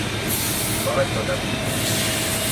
زموږ په ټولنه کې ډېر خلک له سختې بېوزلۍ کړېږي.